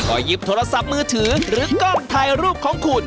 ก็หยิบโทรศัพท์มือถือหรือกล้องถ่ายรูปของคุณ